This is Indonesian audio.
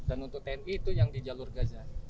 dan untuk tni itu yang di jalur gaza